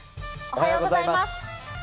おはようございます。